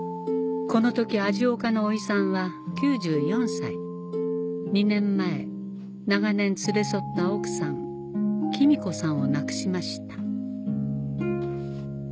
この時味岡のおいさんは９４歳２年前長年連れ添った奥さん公子さんを亡くしました